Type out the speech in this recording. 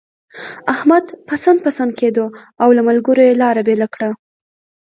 احمد پسن پسن کېدو، او له ملګرو يې لاره بېله کړه.